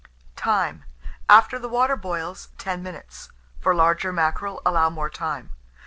Time. After the water boils, 10 minutes; for large mackerel, allow more time.